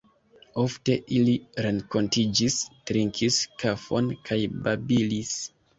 Ofte ili renkontiĝis, trinkis kafon kaj babilis.